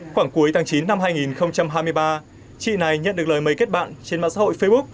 khoảng cuối tháng chín năm hai nghìn hai mươi ba chị này nhận được lời mời kết bạn trên mạng xã hội facebook